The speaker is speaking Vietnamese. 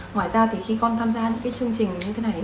ngoài ra khi con tham gia chương trình như thế này